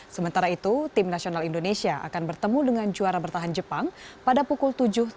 sementara itu tim nasional indonesia akan bertemu dengan juara bertahan jepang pada pukul tujuh tiga puluh